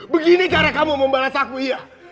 begini cara kamu membalas aku iya